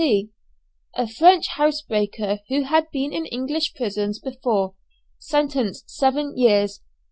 C. A French housebreaker who had been in English prisons before. Sentence, seven years.